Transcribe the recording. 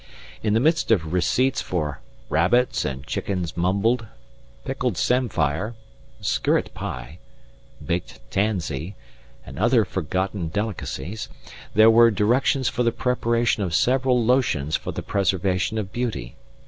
In the midst of receipts for "Rabbits, and Chickens mumbled, Pickled Samphire, Skirret Pye, Baked Tansy," and other forgotten delicacies, there were directions for the preparation of several lotions for the preservation of beauty.